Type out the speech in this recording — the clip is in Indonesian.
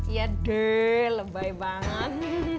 iya deh lebay banget